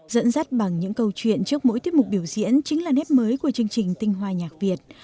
dẫn dắt bằng những câu chuyện trước mỗi tiết mục biểu diễn chính là nét mới của chương trình tinh hoa nhạc việt